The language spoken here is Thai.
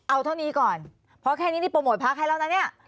เอาเท่านี้ก่อนเพราะแค่นี้นี่โปรโมทพักให้แล้วนะเนี่ย